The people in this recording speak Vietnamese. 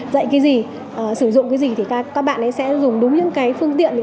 dạy cái gì sử dụng cái gì thì các bạn ấy sẽ dùng đúng những cái phương tiện